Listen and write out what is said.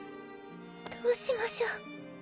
どうしましょう。